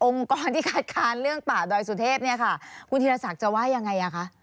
องค์กรที่ขาดคานเรื่องป่าดอยสุเทพคุณธีรษัทจะว่ายังไง